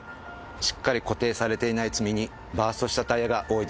しっかり固定されていない積み荷バーストしたタイヤが多いですね。